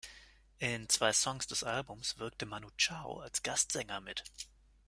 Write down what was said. In zwei Songs des Albums wirkte Manu Chao als Gastsänger mit.